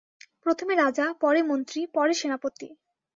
প্রথমে রাজা, পরে মন্ত্রী, পরে সেনাপতি।